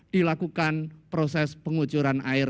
dilakukan proses pengucuran air